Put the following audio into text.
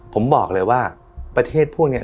ผมบอกเลยว่าประเทศพวกนี้